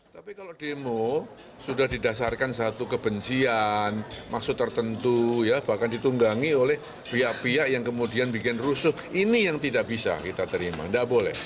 tapi kalau demo sudah didasarkan satu kebencian maksud tertentu ya bahkan ditunggangi oleh pihak pihak yang kemudian bikin rusuh ini yang tidak bisa kita terima tidak boleh